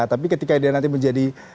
tapi ketika dia nanti menjadi